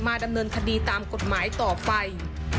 ดำเนินคดีตามกฎหมายต่อไป